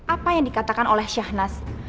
apa yang dikatakan oleh syahnas